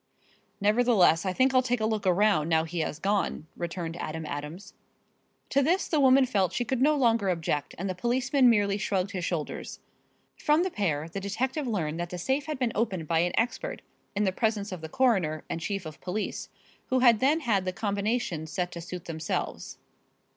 "Nevertheless, I think I'll take a look around, now he has gone," returned Adam Adams. To this the woman felt she could no longer object and the policeman merely shrugged his shoulders. From the pair the detective learned that the safe had been opened by an expert in the presence of the coroner and chief of police, who had then had the combination set to suit themselves.